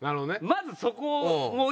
まずそこを。